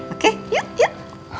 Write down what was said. oke yuk yuk